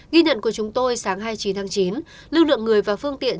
ghi nhận của chúng tôi sáng hai mươi chín tháng chín lưu lượng người và phương tiện